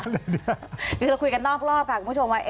เดี๋ยวเราคุยกันนอกรอบค่ะคุณผู้ชมว่า